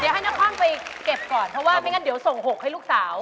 เดี๋ยวให้นครไปเก็บก่อนเพราะว่าไม่งั้นเดี๋ยวส่ง๖ให้ลูกสาว